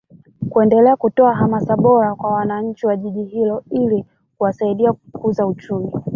kuendelea kutoa hamasa bora kwa wananchi wa Jiji hilo ili kuwasaidia kukuza uchumi